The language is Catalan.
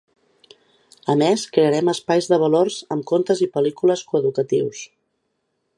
A més, crearem espais de valors amb contes i pel·lícules coeducatius.